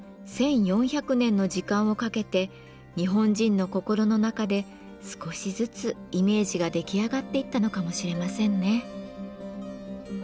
１，４００年の時間をかけて日本人の心の中で少しずつイメージが出来上がっていったのかもしれませんね。